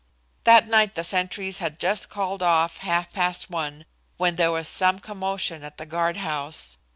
That night the sentries had just called off half past one when there was some commotion at the guard house.